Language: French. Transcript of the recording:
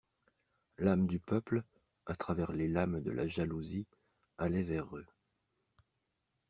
L'âme du peuple, à travers les lames de la jalousie, allait vers eux.